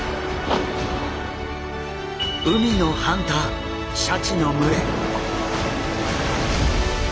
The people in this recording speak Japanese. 海のハンターシャチの群れ。